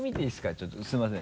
ちょっとすみません。